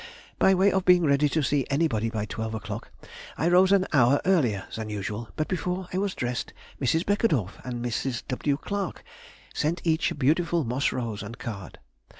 By way of being ready to see anybody by twelve o'clock, I rose an hour earlier than usual, but before I was dressed, Mrs. Beckedorff and Mrs. W. Clarke sent each a beautiful moss rose and card.